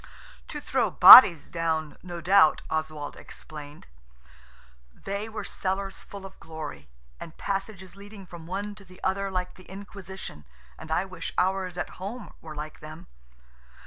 "To throw bodies down, no doubt," Oswald explained. They were cellars full of glory, and passages leading from one to the other like the Inquisition, and I wish ours at home were like them.